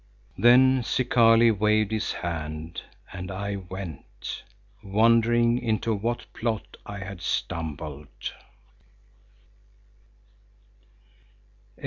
'" Then Zikali waved his hand and I went, wondering into what plot I had stumbled.